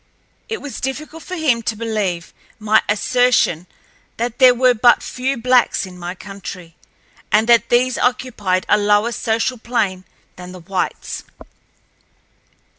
It was difficult for him to believe my assertion that there were but few blacks in my country, and that these occupied a lower social plane than the whites.